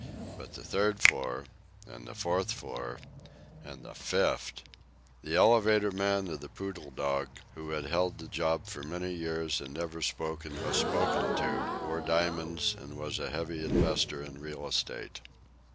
But the third floor and the fourth floor and the fifth! The elevator man of the Poodle Dog, who had held the job for many years and never spoke unless spoken to, wore diamonds and was a heavy investor in real estate.